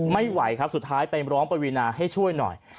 ไม่ไหวครับสุดท้ายไปร้องปวีนาให้ช่วยหน่อย